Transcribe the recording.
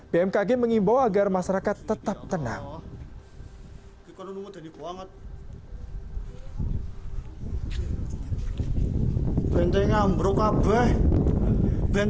bmkg mengimbau agar masyarakat tetap tenang